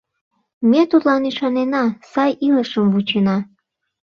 Ме тудлан ӱшанена, сай илышым вучена».